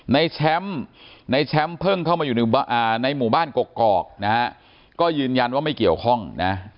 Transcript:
ในแชมป์ในแชมป์เพิ่งเข้ามาอยู่ในหมู่บ้านกกอกนะฮะก็ยืนยันว่าไม่เกี่ยวข้องนะ